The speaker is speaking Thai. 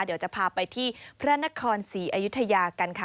เดี๋ยวจะพาไปที่พระนครศรีอยุธยากันค่ะ